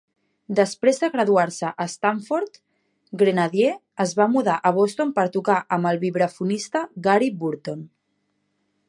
Després de graduar-se a Stanford, Grenadier es va mudar a Boston per tocar amb el vibrafonista Gary Burton.